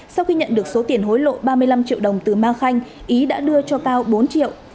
sau khi nhận được số tiền hối lộ ba mươi năm triệu đồng từ ma khanh ý đã đưa cho cao bốn triệu